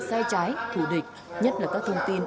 sai trái thù địch nhất là các thông tin